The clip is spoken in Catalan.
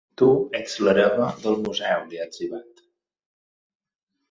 Tu ets l'hereva del museu, li ha etzibat.